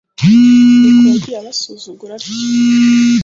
nuko yagiye abasuzugura atyo.